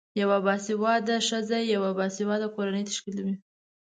یوه باسیواده خځه یوه باسیواده کورنۍ تشکلوی